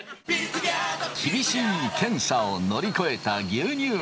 厳しい検査を乗り越えた牛乳びん。